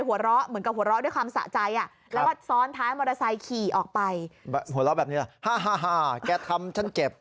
หัวเราะแบบนี้ฮ่าแกทำฉันเจ็บ